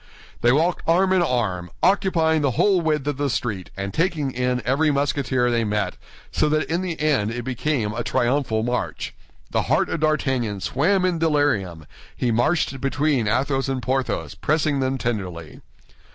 They walked arm in arm, occupying the whole width of the street and taking in every Musketeer they met, so that in the end it became a triumphal march. The heart of D'Artagnan swam in delirium; he marched between Athos and Porthos, pressing them tenderly.